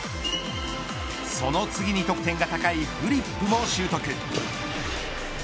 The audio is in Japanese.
その次に得点が高いフリップも習得。